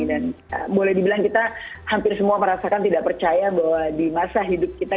dan boleh dibilang kita hampir semua merasakan tidak percaya bahwa di masa hidup kita